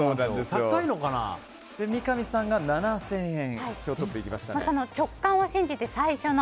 三上さんが７０００円。